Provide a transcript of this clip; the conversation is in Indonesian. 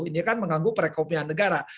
ini kan mengganggu perekonomian negara